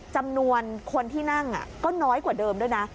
จำนวนคนที่นั่งก็น้อยกว่าเดิมด้วยนะ